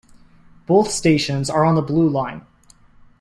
Both stations are on the Blue Line.